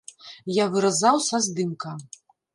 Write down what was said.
Я выразаў са здымка.